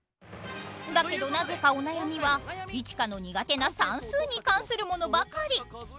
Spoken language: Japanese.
だけどなぜかお悩みはイチカの苦手な算数に関するものばかり。